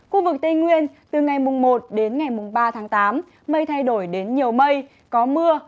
khu vực tây nguyên từ ngày một đến ngày ba tháng tám mây thay đổi đến nhiều mây có mưa